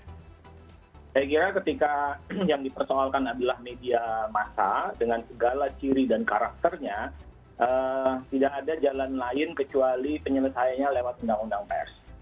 saya kira ketika yang dipersoalkan adalah media massa dengan segala ciri dan karakternya tidak ada jalan lain kecuali penyelesaiannya lewat undang undang pers